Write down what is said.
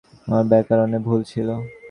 আমার ব্যকরণে ভুল ছিল?